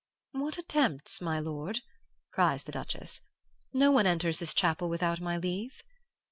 "'What attempts, my lord?' cries the Duchess. 'No one enters this chapel without my leave.